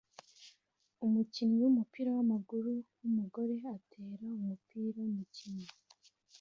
Umukinnyi wumupira wamaguru wumugore atera umupira mukina